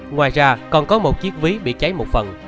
ngoài ra còn có một chiếc ví bị cháy một phần